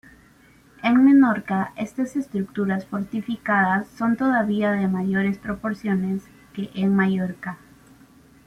En Menorca estas estructuras fortificadas son todavía de mayores proporciones que en Mallorca.